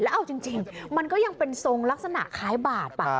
เอาจริงมันก็ยังเป็นทรงลักษณะคล้ายบาท